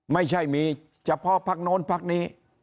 ไม่ใช่มีเฉพาะพักโน้นพักนี้